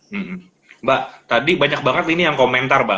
mbak tadi banyak banget ini yang komentar mbak